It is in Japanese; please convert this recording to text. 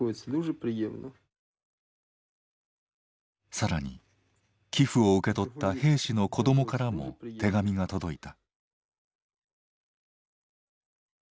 さらに寄付を受け取った兵士の子どもからも手紙が届いた。